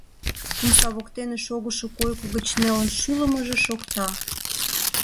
Омса воктене шогышо койко гыч нелын шӱлымыжӧ шокта.